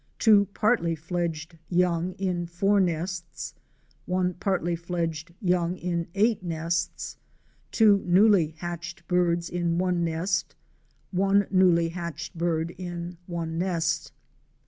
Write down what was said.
2 partly edged young in 4 nests. 1 partly fledged young in 8 nests. 2 newly hatched birds in I nest. 1 newly hatched bird in I nest.